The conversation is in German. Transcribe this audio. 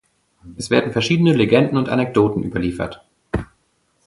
Es werden verschiedene Legenden und Anekdoten überliefert.